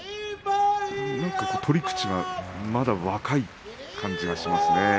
なんか、取り口がまだ若い感じがしますね。